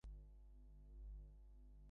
তবে এত লুকোচুরি কেন?